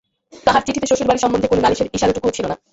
তাহার চিঠিতে শ্বশুরবাড়ি সম্বন্ধে কোনো নালিশের ইশারাটুকুও ছিল না।